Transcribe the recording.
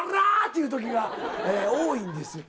ていう時が多いんですよ。